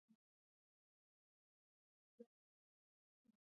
ورزش د بدن روغتیا تضمینوي.